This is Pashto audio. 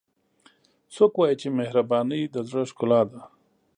څوک وایي چې مهربانۍ د زړه ښکلا ده